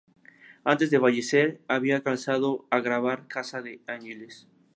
Antes de fallecer había alcanzado a grabar "Casa de Angelis".